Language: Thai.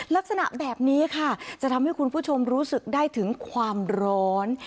ลักษณะแบบนี้ค่ะจะทำให้คุณผู้ชมรู้สึกได้ถึงความร้อน